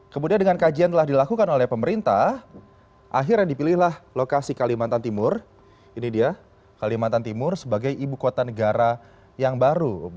kemudian dengan kajian telah dilakukan oleh pemerintah akhirnya dipilihlah lokasi kalimantan timur sebagai ibu kota negara yang baru